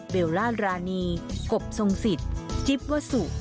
เวลารานีกบทรงสิทธิ์จิ๊บวสุ